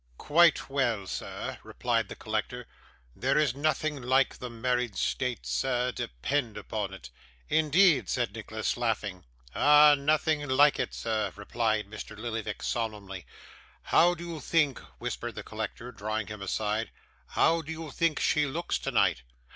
'Quite well, sir,' replied the collector. 'There is nothing like the married state, sir, depend upon it.' 'Indeed!' said Nicholas, laughing. 'Ah! nothing like it, sir,' replied Mr. Lillyvick solemnly. 'How do you think,' whispered the collector, drawing him aside, 'how do you think she looks tonight?